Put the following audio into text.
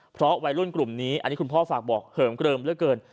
เพราะวัยรุ่นกลุ่มนี้อันนี้คุณพ่อฝากบอกเหิมเกลิมเหลือเกิน